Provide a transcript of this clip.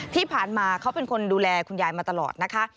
ที่ผ่านมาเขาเป็นคนดูแลคุณยายมาตลอดนะคะ